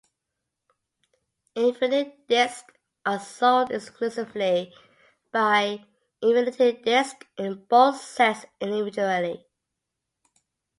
Infinite discs are sold exclusively by Infinite Discs in both sets and individually.